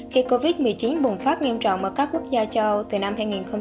khi covid một mươi chín bùng phát nghiêm trọng ở các quốc gia châu từ năm hai nghìn hai mươi